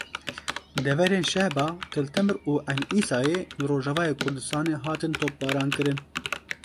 Deverên Şehba, Til Temir û Eyn Îsayê li Rojavayê Kurdistanê hatin topbarankirin.